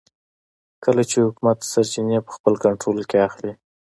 کله چې حکومت سرچینې په خپل کنټرول کې اخلي.